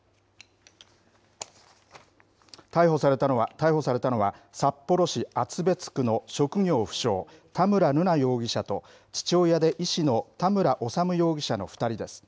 逮捕されたのは、札幌市厚別区の職業不詳、田村瑠奈容疑者と、父親で医師の田村修容疑者の２人です。